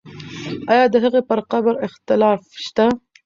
آیا د هغې پر قبر اختلاف شته؟